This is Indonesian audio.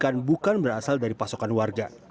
bahan bahan bukan berasal dari pasokan warga